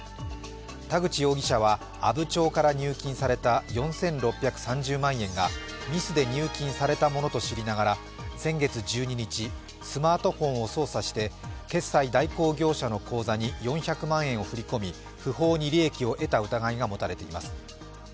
田口容疑者は阿武町から入金された４６３０万円がミスで入金されたものと知りながら、先月１２日、スマートフォンを操作して決済代行業者の口座に４００万円を振り込み不法に利益を得た疑いが持たれています。